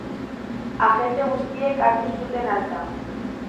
Agente guztiek hartu zuten alta.